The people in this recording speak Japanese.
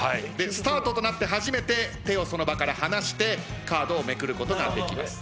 スタートとなって初めて手をその場から離してカードをめくることができます。